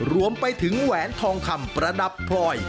รวมไปถึงแหวนทองคำประดับพลอย